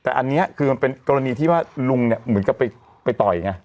แต่อันนี้คือมันเป็นกรณีที่ว่าลุงเนี่ยเหมือนกับไปต่อยไง